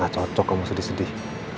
gak cocok kamu sedih sedih